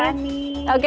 selamat malam mbak rani